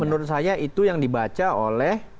menurut saya itu yang dibaca oleh